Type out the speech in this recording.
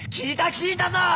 効いたぞ！